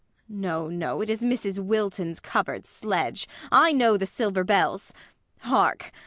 No, no, it is Mrs. Wilton's covered sledge! I know the silver bells! Hark!